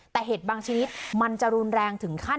แต่เห็ดบางชนิดมันจะรุนแรงถึงขั้น